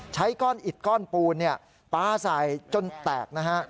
ใช้ก้อนอิดก้อนปูนปลาใส่จนแตกนะฮะ